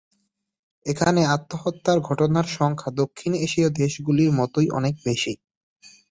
এখানে আত্মহত্যার ঘটনার সংখ্যা দক্ষিণ এশীয় দেশগুলির মতোই অনেক বেশি।